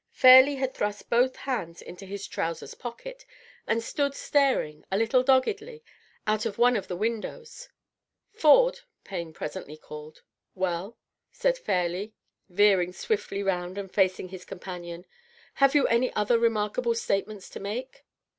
Fairleigh had thrust both hands into his trousers' pockets, and stood staring, a little doggedly, out of one of the windows. " Fom,'* Payne presently called. " Well? said Fairleigh, veering swiftly round and fiicing his com nanion. " Have you any other remarkable statement to make?'